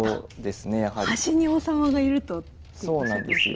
端に王様がいるとっておっしゃってましたよね。